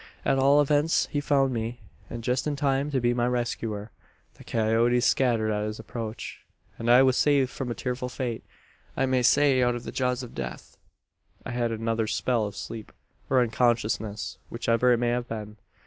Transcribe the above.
At all events, he found me; and just in time to be my rescuer. "The coyotes scattered at his approach; and I was saved from a fearful fate I may say, out of the jaws of death. "I had another spell of sleep, or unconsciousness whichever it may have been.